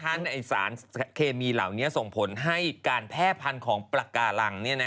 เขาไม่ให้ทานกันแน่ะ